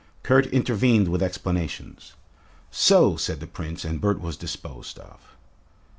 Kurt intervened with explanations. "So," said the Prince, and Bert was disposed of.